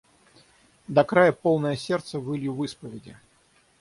До края полное сердце вылью в исповеди!